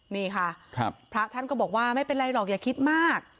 นี่ค่ะพระท่านก็บอกว่าไม่เป็นไรหรอกอย่าคิดมาก